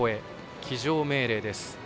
騎乗命令です。